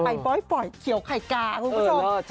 บ่อยเขียวไข่กาคุณผู้ชม